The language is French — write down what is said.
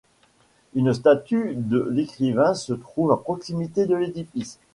Une statue de l'écrivain se trouve à proximité de l'édifice.